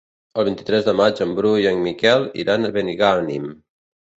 El vint-i-tres de maig en Bru i en Miquel iran a Benigànim.